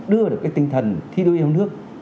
đưa được cái tinh thần thi đua yêu nước